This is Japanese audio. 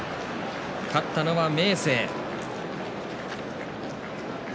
勝ったのは明生。